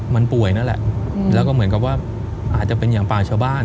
มันป่วยนั่นแหละแล้วก็เหมือนกับว่าอาจจะเป็นอย่างป่าชาวบ้าน